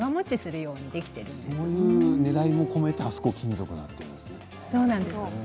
そういう、ねらいも込めてあそこが金属になっているんですね。